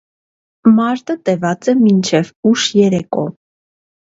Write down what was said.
Մարտը տեւած է մինչեւ ուշ երեկոյ։